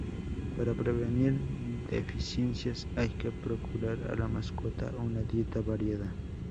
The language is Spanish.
Para prevenir deficiencias hay que procurar a la mascota una dieta variada.